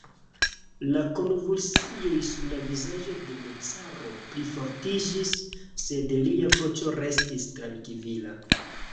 La konvulsioj sur la vizaĝo de l' caro plifortiĝis, sed lia voĉo restis trankvila.